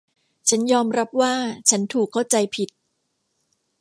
ฉันยอมรับว่าฉันถูกเข้าใจผิด